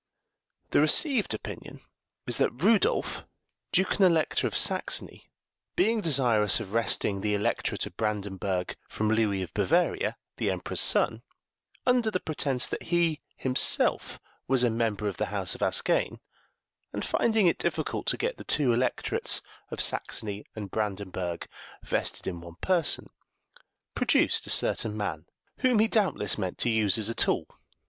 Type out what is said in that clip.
The received opinion is that Rudolph, Duke and Elector of Saxony, being desirous of wresting the Electorate of Brandenburg from Louis of Bavaria, the Emperor's son, under the pretence that he himself was a member of the House of Ascagne, and finding it difficult to get the two electorates (of Saxony and Brandenburg) vested in one person, produced a certain man, whom he doubtless meant to use as a tool.